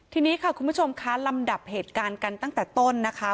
ทีนี้ค่ะคุณผู้ชมคะลำดับเหตุการณ์กันตั้งแต่ต้นนะคะ